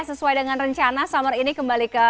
sesuai dengan rencana summer ini kembali ke